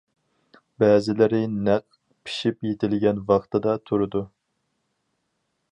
بەزىلىرى نەق پىشىپ يېتىلگەن ۋاقتىدا تۇرىدۇ.